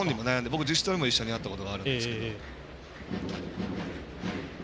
僕、自主トレも一緒にやったことがあるんですけど。